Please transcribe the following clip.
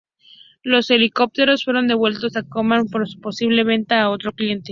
Los helicópteros fueron devueltos a Kaman para su posible venta a otro cliente.